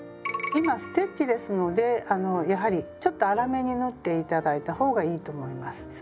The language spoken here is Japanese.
今ステッチですのでやはりちょっと粗めに縫って頂いた方がいいと思います。